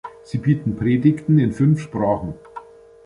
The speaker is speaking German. Sie bieten Predigten in fünf Sprachen.